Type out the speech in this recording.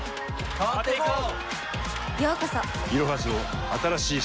変わっていこう。